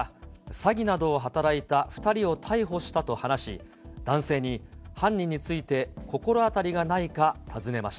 シライは詐欺などを働いた２人を逮捕したと話し、男性に、犯人について心当たりがないか尋ねました。